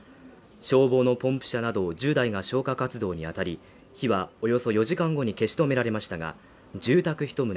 消防のポンプ車など１０台が消火活動にあたり、火はおよそ４時間後に消し止められましたが住宅一棟